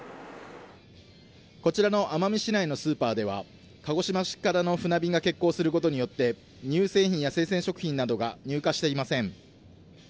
こちらの奄美市内のスーパーでは、鹿児島市からの船便が欠航することによって、乳製品や生鮮食品などが入荷していません。